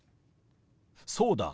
そうだ。